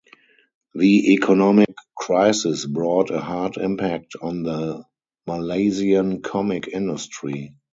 The economic crisis brought a hard impact on the Malaysian comic industry.